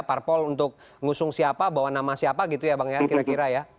parpol untuk ngusung siapa bawa nama siapa gitu ya bang ya kira kira ya